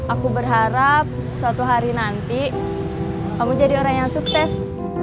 aku berharap suatu hari nanti kamu jadi orang yang sukses